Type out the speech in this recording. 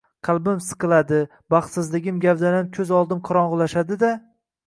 qalbim siqiladi, baxtsizligim gavdalanib ko’z oldim qorong’ulashadi-da